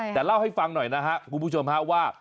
แต่เล่าให้ฟังหน่อยนะครับคุณผู้ชมฮะว่า